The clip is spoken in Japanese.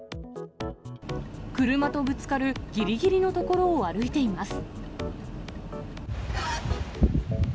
車とぶつかるぎりぎりの所を歩いています。